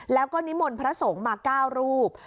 แล้วก็นิมนต์พระสงฆ์มา๙รูป